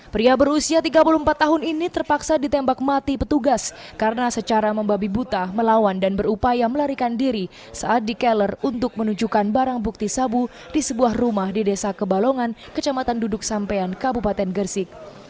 pria berusia tiga puluh empat tahun ini terpaksa ditembak mati petugas karena secara membabi buta melawan dan berupaya melarikan diri saat dikelor untuk menunjukkan barang bukti sabu di sebuah rumah di desa kebalongan kecamatan duduk sampean kabupaten gersik